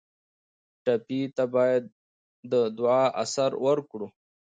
ټپي ته باید د دعا اثر ورکړو.